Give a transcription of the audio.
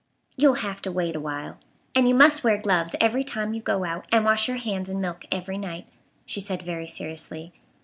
"You'll have to wait awhile. And you must wear gloves every time you go out, and wash your hands in milk every night," she said very seriously.